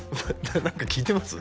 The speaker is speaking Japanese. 何か聞いてます？